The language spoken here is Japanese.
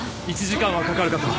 １時間はかかるかと。